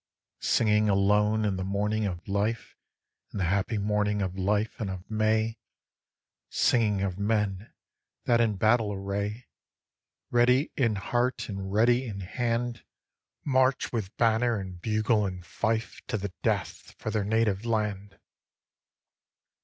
Singing alone in the morning of life, In the happy morning of life and of May, Singing of men that in battle array, Ready in heart and ready in hand, March with banner and bugle and fife To the death, for their native land.